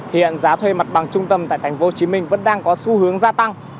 hiện giá thuê mặt bằng trung tâm tại tp hcm vẫn đang có xu hướng gia tăng